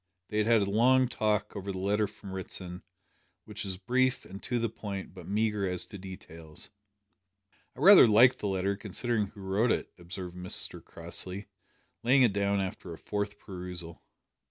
They had had a long talk over the letter from Ritson, which was brief and to the point but meagre as to details. "I rather like the letter, considering who wrote it," observed Mr Crossley, laying it down after a fourth perusal.